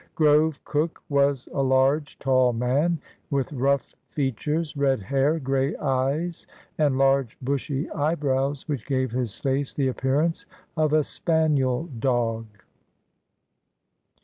Grove Cook w r as a large, tall man, with rough features, red hair, grey eyes, and large, bushy eyebrows, which gave his face the appearance of a spaniel clog.